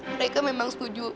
mereka memang setuju